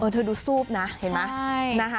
เธอดูซูบนะเห็นมั้ย